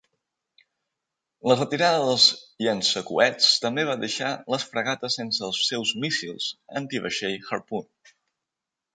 La retirada dels llançacoets també va deixar les fragates sense els seus míssils antivaixell Harpoon.